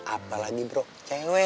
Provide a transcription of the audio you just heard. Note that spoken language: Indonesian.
apalagi bro cewek